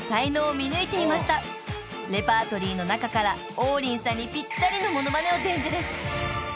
［レパートリーの中から王林さんにぴったりのモノマネを伝授です］